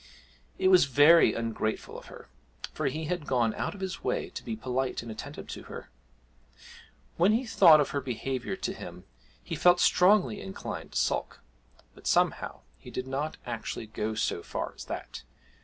It was very ungrateful of her, for he had gone out of his way to be polite and attentive to her. When he thought of her behaviour to him he felt strongly inclined to sulk, but somehow he did not actually go so far as that.